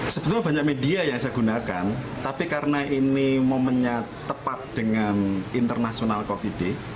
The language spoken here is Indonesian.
sebenarnya banyak media yang saya gunakan tapi karena ini momennya tepat dengan internasional covid sembilan belas